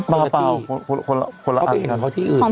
เปล่าคนละอัน